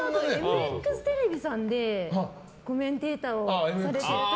ＭＸテレビさんでコメンテーターをされている時。